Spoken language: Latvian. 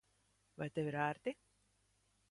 Vai tev ir ērti?